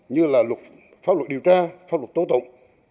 như là luật pháp luật điều tra pháp luật tố tụng